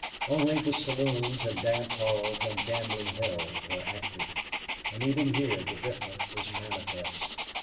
Only the saloons and dance halls and gambling hells were active, and even here the difference was manifest.